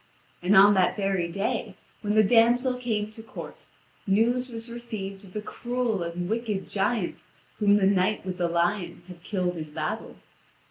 And on that very day, when the damsel came to court, news was received of the cruel and wicked giant whom the knight with the lion had killed in battle.